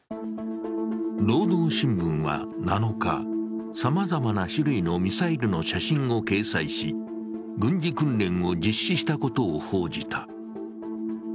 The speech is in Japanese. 「労働新聞」は７日、さまざまな種類のミサイルの写真を掲載し軍事訓練を実施したことを報じた。